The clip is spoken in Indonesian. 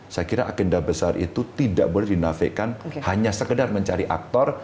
saya kira agenda besar itu tidak boleh dinafikan hanya sekedar mencari aktor